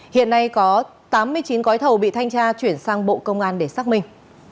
hiện nay có tám mươi chín gói thầu bị thanh tra chuyển sang bộ công an để xác minh